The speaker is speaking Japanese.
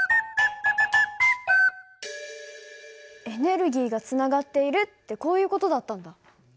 エネルギーがつながっているってこういう事だったんだ。